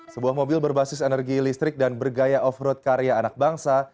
sebuah mobil berbasis energi listrik dan bergaya off road karya anak bangsa